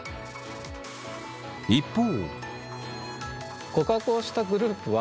一方。